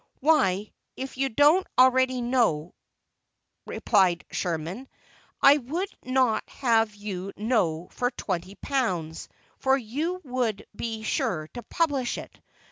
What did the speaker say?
"Why, if you don't already know," replied Sherman, "I would not have you know for twenty pounds, for you would be sure to publish it.